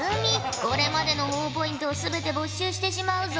これまでのほぉポイントを全て没収してしまうぞ。